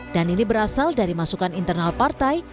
dan ini berasal dari masukan internal partai